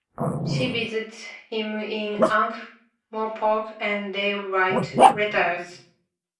She visits him in Ankh-Morpork, and they write letters.